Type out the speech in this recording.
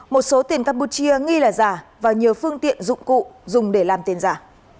một số tiền campuchia nghi là giả và nhiều phương tiện dụng cụ dùng để làm tiền giả